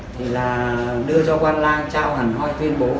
thì là đưa cho quan lang trao hẳn hoi tuyên bố